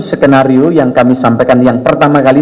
skenario yang kami sampaikan yang pertama kali